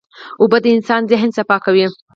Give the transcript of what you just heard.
اوبه د انسان ذهن صفا کوي.